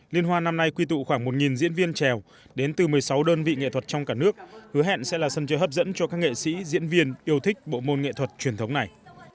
liên hoan năm nay quy tụ khoảng một diễn viên trèo đến từ một mươi sáu đơn vị nghệ thuật trong cả nước hứa hẹn sẽ là sân chơi hấp dẫn cho các nghệ sĩ diễn viên yêu thích bộ môn nghệ thuật truyền thống này